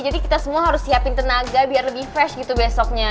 kita semua harus siapin tenaga biar lebih fresh gitu besoknya